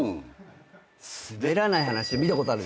『すべらない話』見たことあるでしょ？